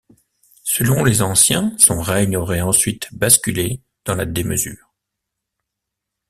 Selon les Anciens, son règne aurait ensuite basculé dans la démesure.